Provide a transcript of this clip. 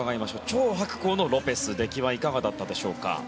チョウ・ハクコウのロペス出来はいかがだったでしょうか？